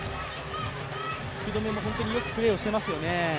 福留も本当によくプレーをしてますよね。